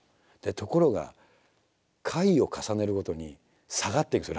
ところが回を重ねるごとに下がっていくんですよ